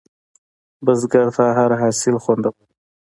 بزګر ته هره حاصل خوندور وي